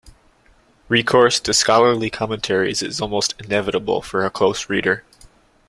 Recourse to scholarly commentaries is almost inevitable for a close reader.